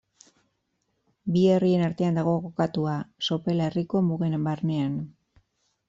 Bi herrien artean dago kokatua, Sopela herriko mugen barnean.